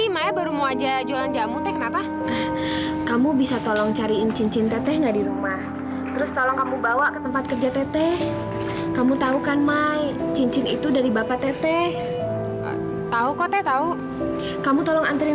kerja teteh kamu tahu kan mai cincin itu dari bapak teteh tahu kok teh tahu kamu tolong anterin